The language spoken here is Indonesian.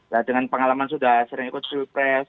nah dengan pengalaman sudah sering ikut pilpres